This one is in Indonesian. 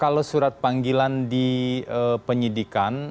kalau surat panggilan dipenyelidikan